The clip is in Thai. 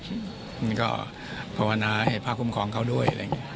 แล้วก็ภาวนาให้พระคุมครองเขาด้วย